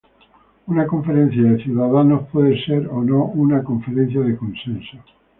Una "conferencia de ciudadanos" puede ser o no una "conferencia de consenso".